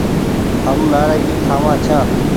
هم نآريگي کآوآن ڇآن ۔